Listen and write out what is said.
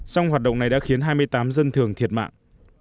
song hoạt động này đã khiến hai mươi tám dân thường thiệt mạng